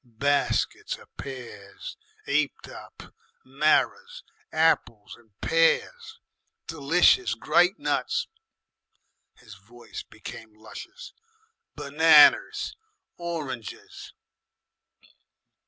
Baskets of pears 'eaped up, marrers, apples and pears, d'licious great nuts." His voice became luscious "Benanas, oranges."